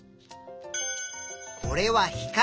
これは光。